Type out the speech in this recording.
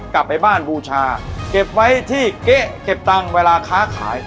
กลับไปบ้านบูชาเก็บไว้ที่เก๊ะเก็บตังค์เวลาค้าขาย